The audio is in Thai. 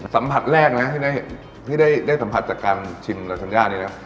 สัมผัสแรกนะที่ได้สัมผัสจากการชิมนาธัญญานี่นะ